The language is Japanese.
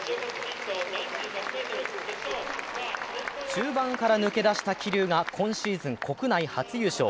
中盤から抜け出した桐生が今シーズン国内初優勝。